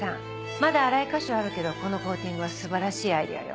まだ粗い箇所はあるけどこのコーティングは素晴らしいアイデアよ。